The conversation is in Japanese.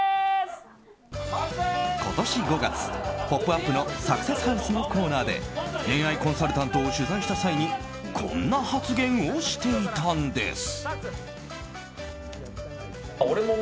今年５月、「ポップＵＰ！」のサクセスハウスのコーナーで恋愛コンサルタントを取材した際にこんな発言をしていたんです。